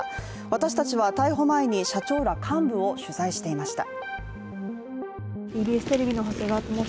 私たちは逮捕前に社長ら幹部を取材していました。